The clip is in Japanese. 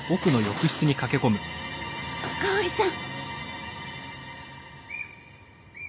香織さん！